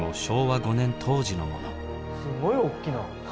すごい大きな。